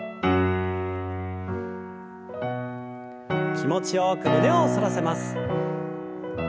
気持ちよく胸を反らせます。